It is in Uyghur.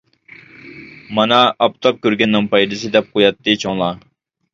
مانا، ئاپتاپ كۆرگەننىڭ پايدىسى، دەپ قوياتتى چوڭلار.